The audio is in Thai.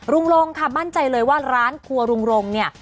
ลงค่ะมั่นใจเลยว่าร้านครัวลุงรงค์เนี่ย